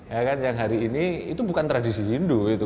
ya kan yang hari ini itu bukan tradisi hindu itu